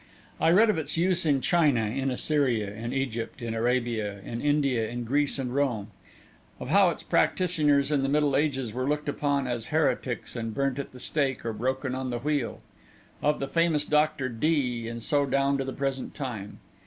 I read of its use in China, in Assyria, in Egypt, in Arabia, in India, in Greece and Rome; of how its practitioners in the Middle Ages were looked upon as heretics and burnt at the stake or broken on the wheel; of the famous Dr. Dee, and so down to the present time.